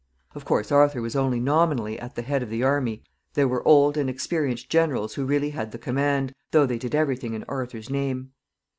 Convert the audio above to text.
Of course, Arthur was only nominally at the head of the army. There were old and experienced generals who really had the command, though they did every thing in Arthur's name.